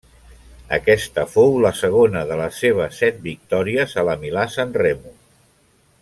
Aquesta fou la segona de les seves set victòries a la Milà-Sanremo.